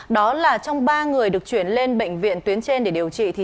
đó là trong ba người được chuyển lên bệnh viện tuyến trên để điều trị